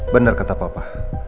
bener kata papa